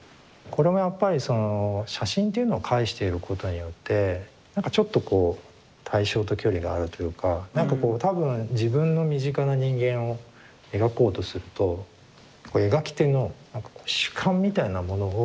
これもやっぱりその写真っていうのを介していることによって何かちょっとこう対象と距離があるというか何かこう多分自分の身近な人間を描こうとすると描き手の何かこう主観みたいなものを。